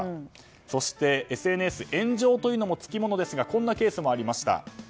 そしてＳＮＳ炎上というのもつきものですがこんなケースもありました。